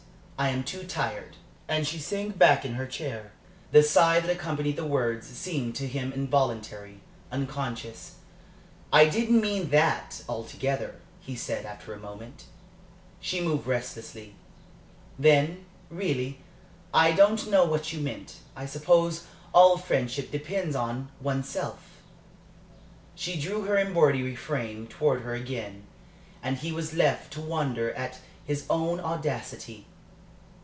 I am too tired." And she sank back in her chair. The sigh that accompanied the words seemed to him involuntary, unconscious. "I didn't mean that altogether," he said, after a moment. She moved restlessly. "Then, really, I don't know what you meant. I suppose all friendship depends on one's self." She drew her embroidery frame towards her again, and he was left to wonder at his own audacity.